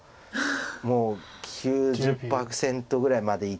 もう９０％ぐらいまでいって。